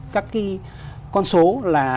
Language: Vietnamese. các cái con số là